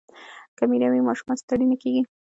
که مینه وي ماشومان ستړي نه کېږي.